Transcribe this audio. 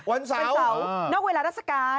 วันเสาร์นอกเวลาราชการ